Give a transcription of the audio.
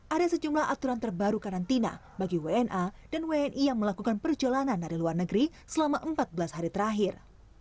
ada sejumlah aturan terbaru karantina bagi wna dan wni yang melakukan perjalanan dari luar negeri selama empat belas hari terakhir